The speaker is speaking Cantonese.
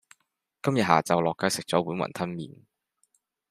今日下晝落街食咗碗雲吞麪